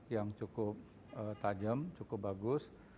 yang cukup tajam cukup bagus